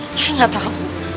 saya enggak tahu